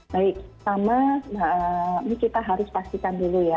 baik pertama ini kita harus pastikan dulu ya